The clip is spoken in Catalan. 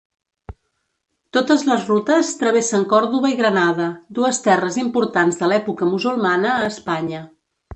Totes les rutes travessen Còrdova i Granada, dues terres importants de l'època musulmana a Espanya.